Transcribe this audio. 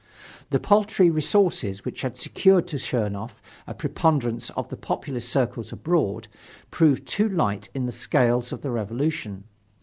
The paltry resources which had secured to Chernoff a preponderance in the populist circles abroad, proved too light in the scales of the Revolution.